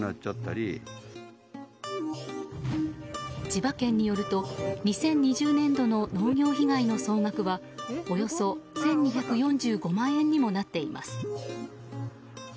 千葉県によると２０２０年度の農業被害の総額はおよそ１２４５万円にもなっています。